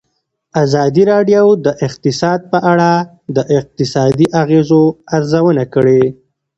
ازادي راډیو د اقتصاد په اړه د اقتصادي اغېزو ارزونه کړې.